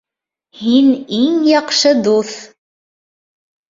Һин иң яҡшы дуҫ!